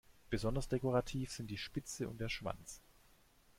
Besonders dekorativ sind die Spitze und der Schwanz.